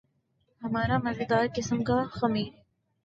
ہمارا مزیدار قسم کا خمیر ہے۔